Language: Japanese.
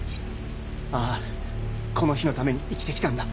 あぁこの日のために生きて来たんだ。